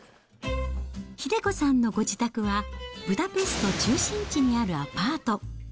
英子さんのご自宅は、ブダペスト中心地にあるアパート。